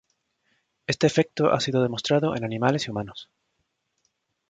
Este efecto ha sido demostrado en animales y humanos.